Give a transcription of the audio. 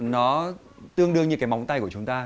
nó tương đương như cái móng tay của chúng ta